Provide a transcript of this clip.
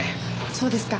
そうですか。